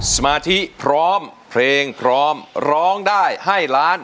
สมาธิพร้อมเพลงพร้อมร้องได้ให้ล้าน